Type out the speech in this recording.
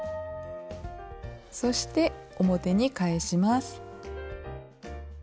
そして表に返します。